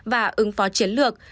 và ứng phó chiến lược